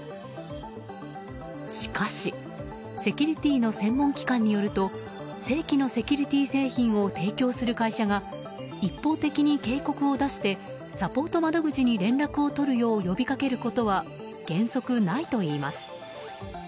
しかし、セキュリティーの専門機関によると正規のセキュリティー製品を提供する会社が一方的に警告を出してサポート窓口に連絡を取るよう呼びかけることは原則ないといいます。